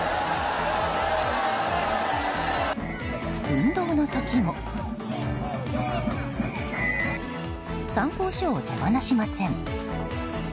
運動の時も参考書を手放しません。